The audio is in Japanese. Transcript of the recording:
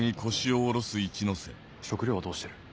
食料はどうしてる？